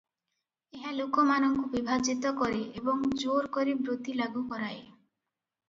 ଏହା ଲୋକମାନଙ୍କୁ ବିଭାଜିତ କରେ ଏବଂ ଜୋର କରି ବୃତ୍ତି ଲାଗୁ କରାଏ ।